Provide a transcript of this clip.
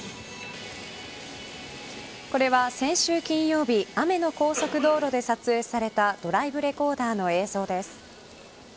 これは先週金曜日雨の高速道路で撮影されたドライブレコーダーの映像です。